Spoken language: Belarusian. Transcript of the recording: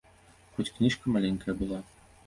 Хоць кніжка маленькая была.